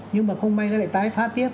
nhưng mà không may nó lại tái phát tiếp